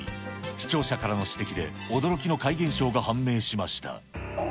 視聴者からの指摘で、驚きの怪現象が判明しました。